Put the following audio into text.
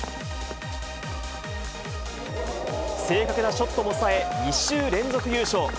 正確なショットもさえ、２週連続優勝。